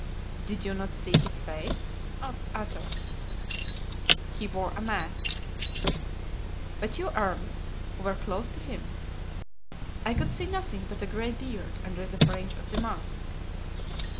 "Did you not see his face?" asked Athos. "He wore a mask." "But you, Aramis, who were close to him?" "I could see nothing but a gray beard under the fringe of the mask."